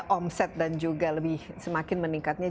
omset dan juga lebih semakin meningkatnya